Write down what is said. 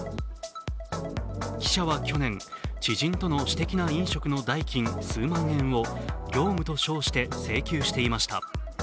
記者は去年、知人との私的な飲食の代金数万円を業務と称して請求していました。